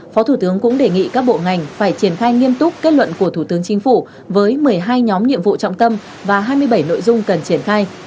phó thủ tướng cũng đề nghị các bộ ngành phải triển khai nghiêm túc kết luận của thủ tướng chính phủ với một mươi hai nhóm nhiệm vụ trọng tâm và hai mươi bảy nội dung cần triển khai